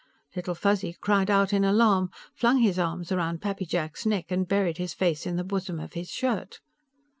Little Fuzzy cried out in alarm, flung his arms around Pappy Jack's neck and buried his face in the bosom of his shirt.